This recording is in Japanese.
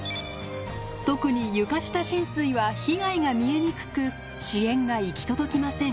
特に床下浸水は被害が見えにくく支援が行き届きません。